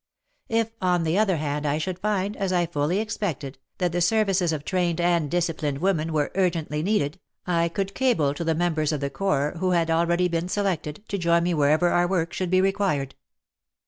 If, on the other hand, I should find, as I fully expected, that the services of trained and disciplined women were urgently needed, I could cable to the members of the Corps, who had already been selected, to join me wherever our work should be required.